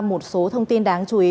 một số thông tin đáng chú ý